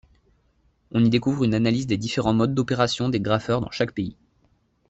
On y découvre une analyse des différents mode d'opération des graffeurs dans chaque pays.